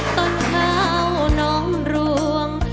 ต้นเท้าน้องรวม